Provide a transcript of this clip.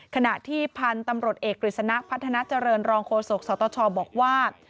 ขณะที่พันธุ์ตำรวจเอกกฤษณะพัฒนาเจริญรองโฆษกสตชบอกว่า